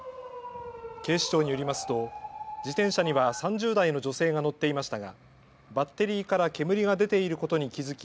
警視庁によりますと自転車には３０代の女性が乗っていましたがバッテリーから煙が出ていることに気付き